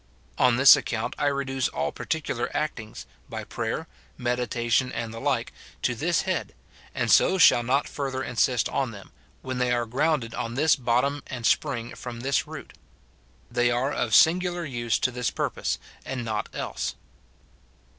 On this account I reduce all particular actings, by prayer, meditation, and the like, to this head ; and so shall not further insist on them, when they are grounded on this bottom and spring from this root. They are of singular use to this purpose, and not else.